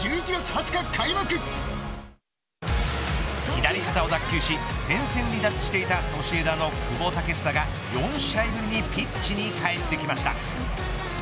左肩を脱きゅうし戦線離脱していたソシエダの久保建英が４試合ぶりにピッチに帰ってきました。